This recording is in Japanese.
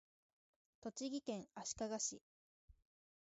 栃木県足利市